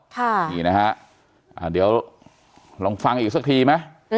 ค่ะนี่นะฮะเดี๋ยวลองฟังอีกสักทีไหม